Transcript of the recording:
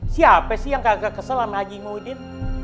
siapa sih yang kagak keselan haji muhyiddin